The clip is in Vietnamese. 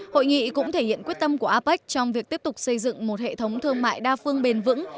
hội nghị cũng thể hiện quyết tâm của apec trong việc tiếp tục xây dựng một hệ thống thương mại đa phương bền vững